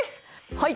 はい。